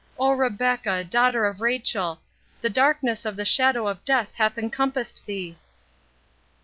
—oh, Rebecca, daughter of Rachel! the darkness of the shadow of death hath encompassed thee."